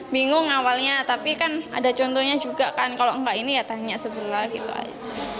bingung awalnya tapi kan ada contohnya juga kan kalau enggak ini ya tanya sebelah gitu aja